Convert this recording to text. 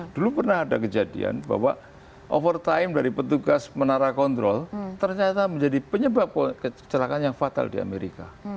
dulu pernah ada kejadian bahwa over time dari petugas menara kontrol ternyata menjadi penyebab kecelakaan yang fatal di amerika